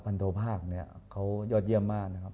โทภาคเนี่ยเขายอดเยี่ยมมากนะครับ